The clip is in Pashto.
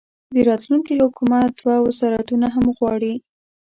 د راتلونکي حکومت دوه وزارتونه هم غواړي.